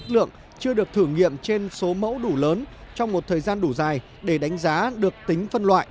chất lượng chưa được thử nghiệm trên số mẫu đủ lớn trong một thời gian đủ dài để đánh giá được tính phân loại